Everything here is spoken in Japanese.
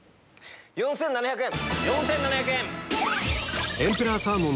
４７００円。